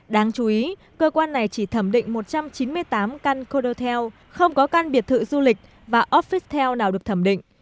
đáng chú ý cơ quan này chỉ thẩm định một trăm chín mươi tám căn codotel không có căn biệt thự du lịch và offistel nào được thẩm định